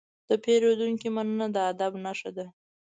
د پیرودونکي مننه د ادب نښه ده.